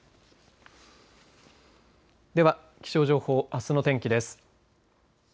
では、気象情報あすの天気です。